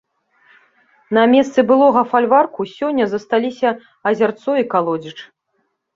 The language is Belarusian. На месцы былога фальварку сёння засталіся азярцо і калодзеж.